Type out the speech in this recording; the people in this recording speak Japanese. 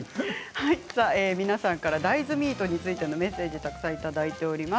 皆さんから大豆ミートについてのメッセージたくさんいただいています。